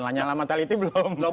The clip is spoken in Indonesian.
lanyala martaliti belum